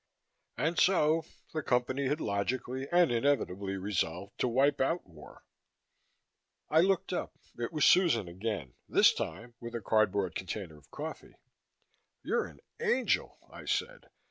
And so the Company had logically and inevitably resolved to wipe out war. I looked up. It was Susan again, this time with a cardboard container of coffee. "You're an angel," I said.